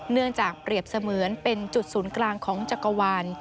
เนื่องจากเปรียบเสมือนเป็นจุดศูนย์กลางของจักรวาล